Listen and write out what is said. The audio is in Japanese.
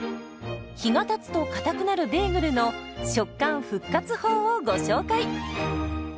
日がたつとかたくなるベーグルの食感復活法をご紹介。